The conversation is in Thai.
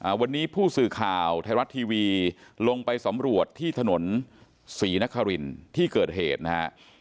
วันนี้ผู้สื่อข่าวไทยรัฐทีวีลงไปสำรวจที่ถนนศรีนครินที่เกิดเหตุนะฮะ